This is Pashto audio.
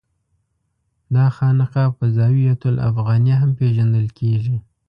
دا خانقاه په الزاویة الافغانیه هم پېژندل کېږي.